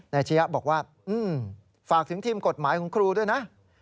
ชียะบอกว่าฝากถึงทีมกฎหมายของครูด้วยนะ